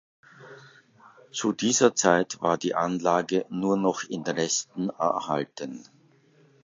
Zu dieser Zeit war die Anlage nur noch in Resten erhalten.